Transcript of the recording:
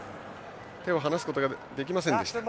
手を離すことができませんでした。